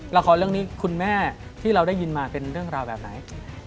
ละครเรื่องนี้คุณแม่ที่เราได้ยินมาเป็นเรื่องราวแบบไหน